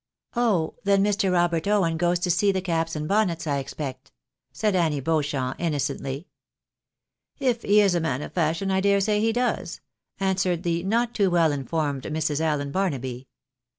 " Oh ! then Mr. Robert Owen goes to see the caps and bonnets, I expect," said Annie Beauchamp, innocently. " If he is a man of fashion, I dare say he does," answered the not too well informed Mrs. Allen Barnaby.